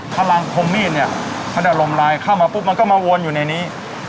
พลังคมมีดเนี่ยถ้าได้อารมณ์ลายเข้ามาปุ๊บมันก็มาวนอยู่ในนี้